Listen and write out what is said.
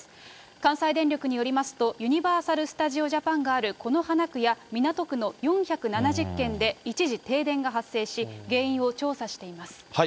関西電力によりますと、ユニバーサル・スタジオ・ジャパンがある此花区や港区の４７０軒で一時停電が発生し、原因を調査しています。